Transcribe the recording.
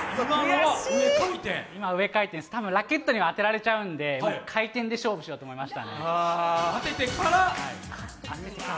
上回転です、多分、ラケットには当てられちゃうんで回転で勝負しようと思いました。